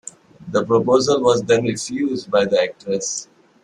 The proposal was then refused by the actress.